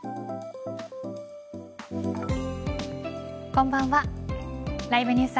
こんばんは。